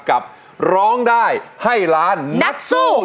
กับร้องได้ให้ล้านนักสู้